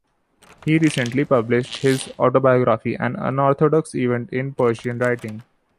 He recently published his autobiography, an unorthodox event in Persian writing.